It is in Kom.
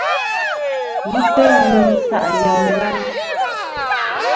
Ghɨ teyn mey nsaʼ yem layn.